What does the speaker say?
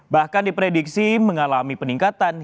bahkan diprediksi mengalami peningkatan